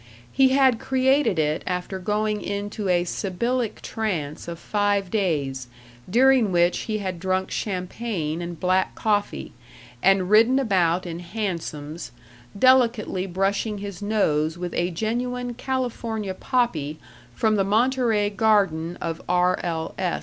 He had created it after going into a sibyllic trance of five days, during which he had drunk champagne and black coffee, and ridden about in hansoms, delicately brushing his nose with a genuine California poppy from the Monterey garden of R. L.